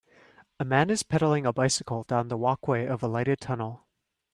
A man is pedaling a bicycle down the walkway of a lighted tunnel.